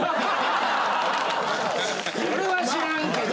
それは知らんけど。